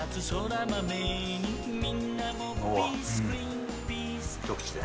おお一口で。